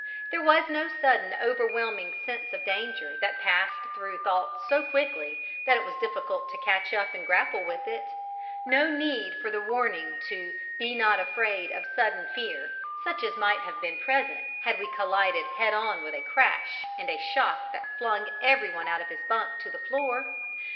There was no sudden overwhelming sense of danger that passed through thought so quickly that it was difficult to catch up and grapple with it no need for the warning to "be not afraid of sudden fear," such as might have been present had we collided head on with a crash and a shock that flung everyone out of his bunk to the floor.